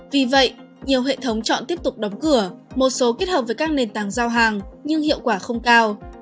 vì vậy nhiều hệ thống chọn tiếp tục đóng cửa một số kết hợp với các nền tảng giao hàng nhưng hiệu quả không cao